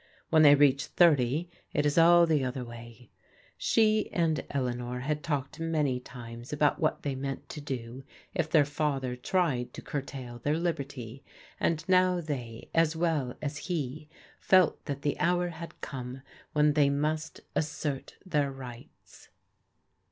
When they reach thirty, it is all the other way. She and Elea 5« THE RIGHT TO *'LIVB THEIR LIVES'* 53 nor had talked many times about what they meant to do if their father tried to curtail their liberty, and now they, as well as he, felt that the hour had come when they must assert their rights.